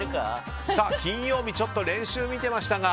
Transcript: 金曜日、ちょっと練習を見ていましたが。